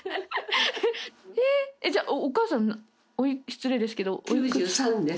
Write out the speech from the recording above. じゃあお母さん失礼ですけどおいくつ？